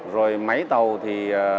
rồi máy tàu thì